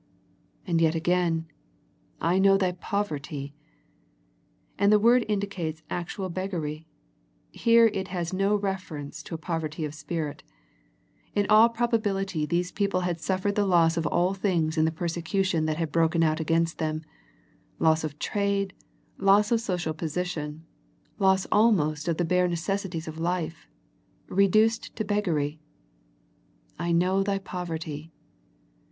And yet again, " I know thy poverty." And the word indicates actual beggary. Here it has no reference to a poverty of spirit. In all dp The Smyrna Letter 6i probability these people had suffered the loss of all things in the persecution that had broken out against them, loss of trade, loss of social position, loss almost of the bare necessaries of life, reduced to beggary, " I know thy pov erty."